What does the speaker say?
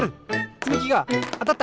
つみきがあたった！